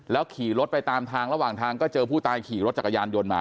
ขี่รถไปตามทางระหว่างทางก็เจอผู้ตายขี่รถจักรยานยนต์มา